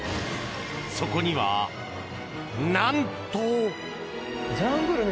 そこにはなんと。